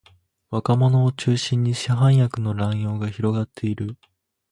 若者を中心に市販薬の乱用が広がっている